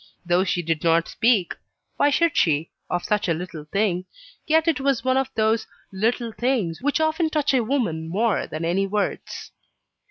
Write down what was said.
Though she did not speak why should she? of such a little thing, yet it was one of those "little things" which often touch a woman more than any words.